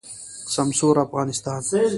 سمسور افغانستان